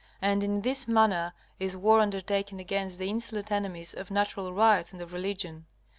And in this manner is war undertaken against the insolent enemies of natural rights and of religion.